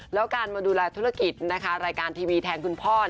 แล้วการมาดูแลธุรกิจนะคะรายการทีวีแทนคุณพ่อ